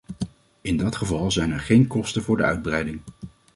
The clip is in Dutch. In dat geval zijn er geen kosten voor de uitbreiding.